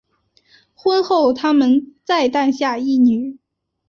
婚后他们再诞下一女。